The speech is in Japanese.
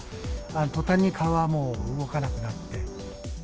とたんに蚊はもう動かなくなって。